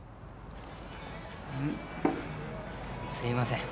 すいません。